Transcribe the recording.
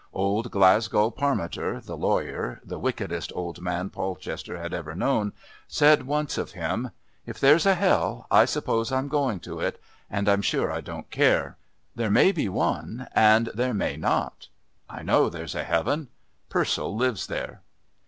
Old Glasgow Parmiter, the lawyer, the wickedest old man Polchester had ever known, said once of him, "If there's a hell, I suppose I'm going to it, and I'm sure I don't care. There may be one and there may not. I know there's a heaven. Purcell lives there."